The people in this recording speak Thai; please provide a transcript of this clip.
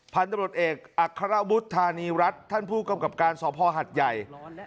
พันธุ์ตำรวจเอกอัครบุษธานีรัฐท่านผู้กำกับการสอบพ่อหัดใหญ่